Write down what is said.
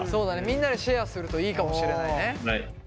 みんなでシェアするといいかもしれないね。